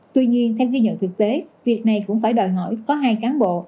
tuy nhiên theo ghi nhận thực tế việc này cũng phải đòi hỏi có hai cán bộ